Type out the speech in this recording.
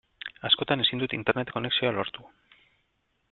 Askotan ezin dut Internet konexioa lortu.